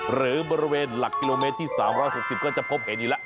หรือบริเวณหลักกิโลเมตรที่๓๖๐ก็จะพบเห็นอีกแล้ว